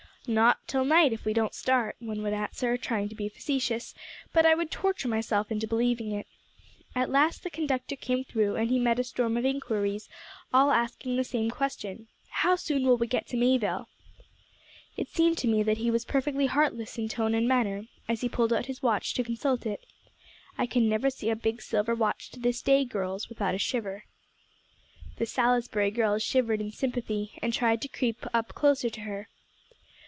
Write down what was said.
"'Not till night, if we don't start,' one would answer, trying to be facetious; but I would torture myself into believing it. At last the conductor came through, and he met a storm of inquiries, all asking the same question, 'How soon will we get to Mayville?' "It seemed to me that he was perfectly heartless in tone and manner, as he pulled out his watch to consult it. I can never see a big silver watch to this day, girls, without a shiver." The "Salisbury girls" shivered in sympathy, and tried to creep up closer to her.